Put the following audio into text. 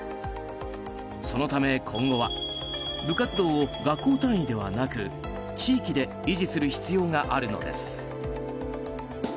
そのため今後は部活動を学校単位ではなく地域で維持する必要があるのです。